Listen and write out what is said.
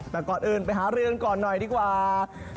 แต่ก่อนอื่นไปหารือกันก่อนหน่อยดีกว่า